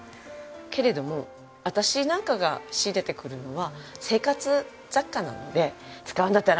けれども私なんかが仕入れてくるのは生活雑貨なので使うんだったら洗わないとやはり。